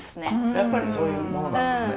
やっぱりそういうものなんですね。